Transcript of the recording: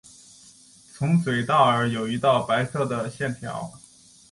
从嘴到耳有一道白色的线条。